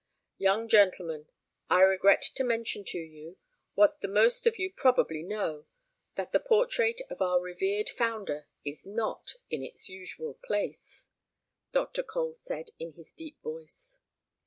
"Young gentlemen, I regret to mention to you, what the most of you probably know, that the portrait of our revered founder is not in its usual place," Dr. Cole said in his deep voice.